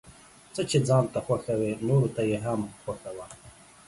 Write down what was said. څه چې ځان ته خوښوې نوروته يې هم خوښوه ،